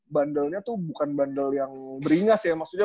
bandelnya tuh bukan bandel yang beringas ya maksudnya